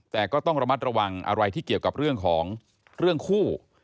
แต่ก็ต้องระมัดระวังอะไรที่เกี่ยวกับเรื่องของเรื่องคู่